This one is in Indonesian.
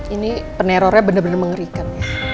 ini penerornya bener bener mengerikan